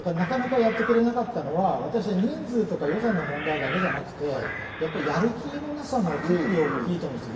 なかなかやってくれなかったのは人数とか予算の問題だけじゃなくて、やる気のなさもかなり大きいと思います。